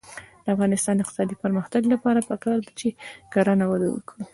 د افغانستان د اقتصادي پرمختګ لپاره پکار ده چې کرنه وده وکړي.